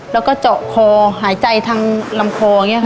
แล้วก็เจาะคอหายใจทางลำคออย่างนี้ค่ะ